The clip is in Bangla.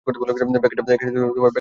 ব্যাখ্যা চাই তোমার?